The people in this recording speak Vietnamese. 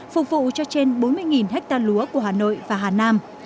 phục vụ cho trên bốn mươi ha lúa của hà nội và hà nam